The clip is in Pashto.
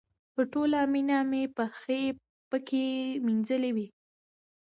په ټوله مینه مې پښې پکې مینځلې وې.